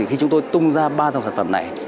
khi chúng tôi tung ra ba dòng sản phẩm này